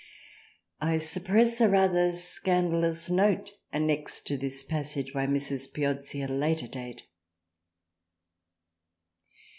I suppress a rather scandalous note annexed to this passage by Mrs. Piozzi at a later period.